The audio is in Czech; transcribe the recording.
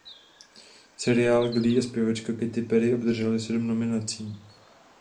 Seriál Glee a zpěvačka Katy Perry obdrželi sedm nominací.